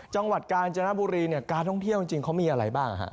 จังหวัดกาญจนบุรีเนี่ยการท่องเที่ยวจริงเขามีอะไรบ้างฮะ